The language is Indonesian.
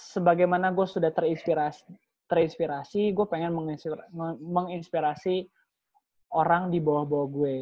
sebagaimana gue sudah terinspirasi gue pengen menginspirasi orang di bawah bawah gue